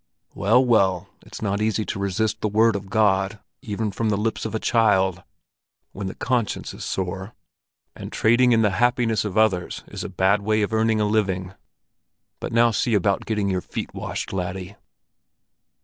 Well, well, it's not easy to resist the Word of God even from the lips of a child, when the conscience is sore; and trading in the happiness of others is a bad way of earning a living. But now see about getting your feet washed, laddie."